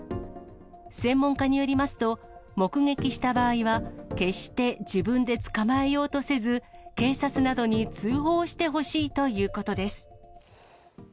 専門家によりますと、目撃した場合は、決して自分で捕まえようとせず、警察などに通報してほしいということです。